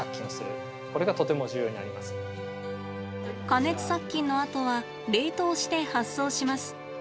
加熱殺菌のあとは冷凍して発送します。